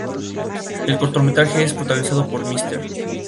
El cortometraje es protagonizado por Mr.